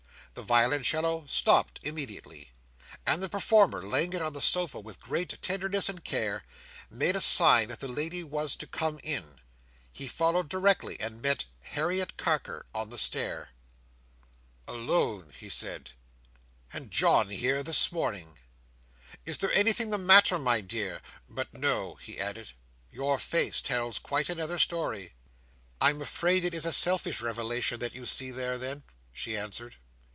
The violoncello stopped immediately; and the performer, laying it on the sofa with great tenderness and care, made a sign that the lady was to come in. He followed directly, and met Harriet Carker on the stair. "Alone!" he said, "and John here this morning! Is there anything the matter, my dear? But no," he added, "your face tells quite another story." "I am afraid it is a selfish revelation that you see there, then," she answered.